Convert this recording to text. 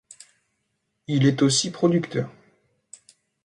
Il est aussi producteur.